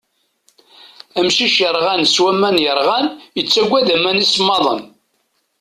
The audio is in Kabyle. Amcic yerɣan s waman yerɣan, yettagad aman isemmaḍen.